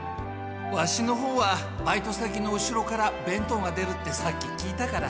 ワシのほうはバイト先のお城から弁当が出るってさっき聞いたから。